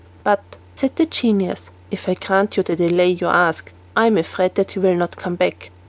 "But," said the genius, "if I grant you the delay you ask, I am afraid that you will not come back."